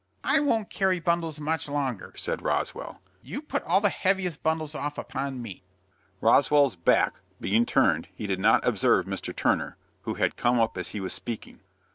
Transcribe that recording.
"I won't carry bundles much longer," said Roswell. "You put all the heaviest bundles off upon me." Roswell's back being turned, he did not observe Mr. Turner, who had come up as he was speaking.